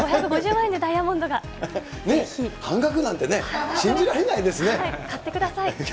６５０万円でダイヤモンドが、半額なんてね、買ってください。